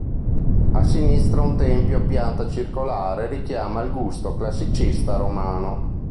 A sinistra un tempio a pianta circolare richiama il gusto classicista romano.